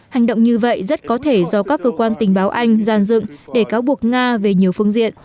hành động như vậy rất có thể do các cơ quan tình báo anh gian dựng để cáo buộc nga về nhiều phương diện